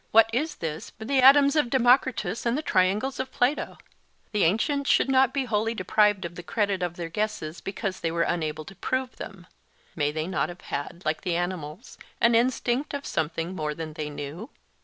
What is this but the atoms of Democritus and the triangles of Plato? The ancients should not be wholly deprived of the credit of their guesses because they were unable to prove them. May they not have had, like the animals, an instinct of something more than they knew?